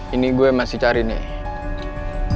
ini gue masih cari nih